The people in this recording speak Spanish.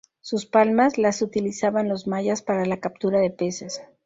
Sus palmas las utilizaban los Mayas para la captura de peces.